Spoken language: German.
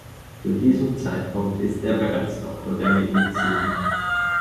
Zu diesem Zeitpunkt ist er bereits Doktor der Medizin.